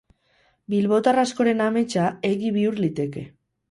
Bilbotar askoren ametsa egin bihur liteke.